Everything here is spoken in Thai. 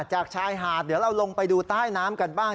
จากชายหาดเดี๋ยวเราลงไปดูใต้น้ำกันบ้าง